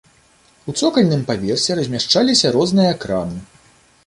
У цокальным паверсе размяшчаліся розныя крамы.